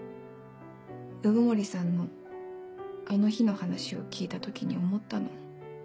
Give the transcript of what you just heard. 鵜久森さんのあの日の話を聞いた時に思ったの。